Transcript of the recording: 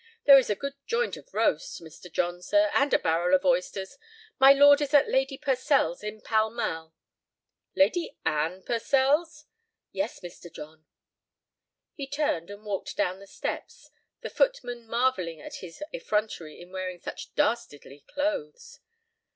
There is a good joint of roast, Mr. John, sir, and a barrel of oysters. My lord is at Lady Purcell's in Pall Mall." "Lady Anne Purcell's?" "Yes, Mr. John." He turned and walked down the steps, the footman marvelling at his effrontery in wearing such dastardly clothes.